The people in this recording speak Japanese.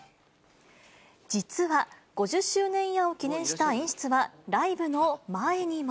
実は、５０周年イヤーを記念した演出は、ライブの前にも。